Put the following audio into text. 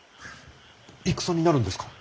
戦になるんですか。